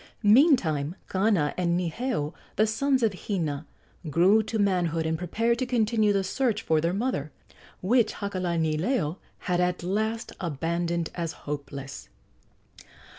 Meantime Kana and Niheu, the sons of Hina, grew to manhood and prepared to continue the search for their mother, which Hakalanileo had at last abandoned as hopeless.